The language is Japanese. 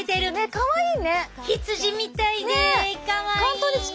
かわいい。